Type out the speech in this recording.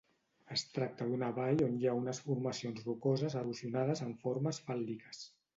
Es tracta d'una vall on hi ha unes formacions rocoses erosionades amb formes fàl·liques.